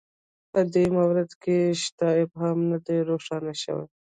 په دې مورد کې شته ابهام نه دی روښانه شوی